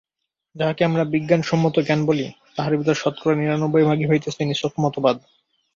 যাহাকে আমরা বিজ্ঞানসম্মত জ্ঞান বলি, তাহার ভিতর শতকরা নিরানব্বই ভাগই হইতেছে নিছক মতবাদ।